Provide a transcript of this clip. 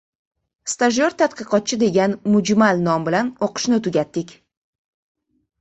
Stajyor-tadqiqotchi degan mujmal nom bilan oʻqishni tugatdik.